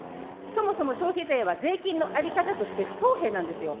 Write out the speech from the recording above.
そもそも消費税は税金の在り方として不公平なんですよ。